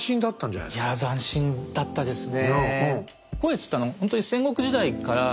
いや斬新だったですね。